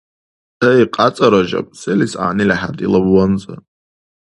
Эй, Кьяца Ражаб, селис гӀягӀнили хӀед илаб ванза?